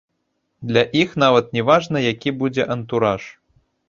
Для іх нават не важна, які будзе антураж.